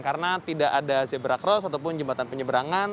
karena tidak ada zebra cross ataupun jembatan penyeberangan